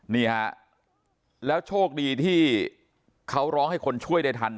นี่ฮะแล้วโชคดีที่เขาร้องให้คนช่วยได้ทัน